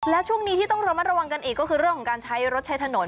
แล้วช่วงนี้ที่ต้องระมัดระวังกันอีกก็คือเรื่องของการใช้รถใช้ถนน